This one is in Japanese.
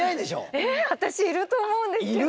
え私いると思うんですけど。